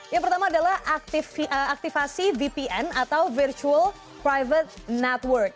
yang pertama adalah aktivasi vpn atau virtual private network